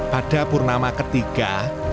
pada purnama ketiga